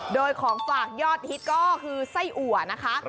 โดยของฝากยอดฮิตก็คือไส้อัวนะคะ